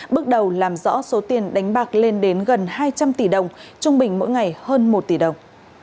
bước đầu làm rõ số tiền đánh bạc lên đến gần hai trăm linh tỷ đồng trung bình mỗi ngày hơn một tỷ đồng